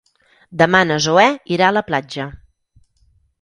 Demà na Zoè irà a la platja.